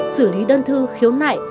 xử lý đơn thư khiếu nại